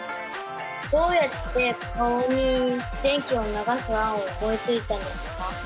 どうやって顔に電気を流す案を思いついたんですか？